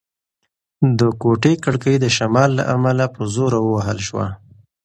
د کوټې کړکۍ د شمال له امله په زوره ووهل شوه.